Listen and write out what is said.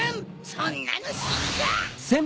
そんなのしるか！